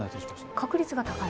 確率が高い？